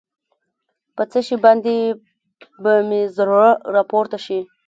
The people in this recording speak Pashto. په څه شي باندې به مې زړه راپورته شي.